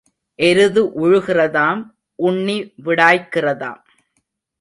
எருது உழுகிறதாம் உண்ணி விடாய்க்கிறதாம்.